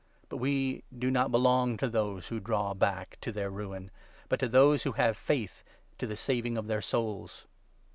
But we do not belong to those who draw back, to their Ruin, 39 but to those who have faith, to the saving of their souls.